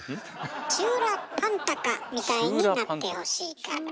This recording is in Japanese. チューラパンタカみたいになってほしいから。